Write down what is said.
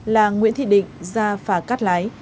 là nguyễn thị định ra phà cát lái